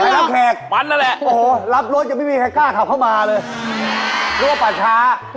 หันต้องเป็นกุ๊คได้